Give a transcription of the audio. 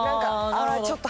ああちょっと。